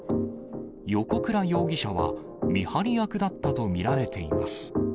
横倉容疑者は見張り役だったと見られています。